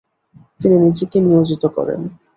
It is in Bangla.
তিনি নিজেকে নিয়োজিত করেন।